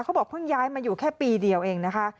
เขาบอกเพิ่งย้ายมาอยู่แค่ปีเดียวเองนะคะ